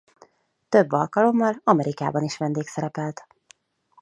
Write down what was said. Több alkalommal Amerikában is vendégszerepelt.